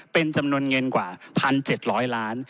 เป็นจำนวนเงินกว่า๑๗๐๐ล้าน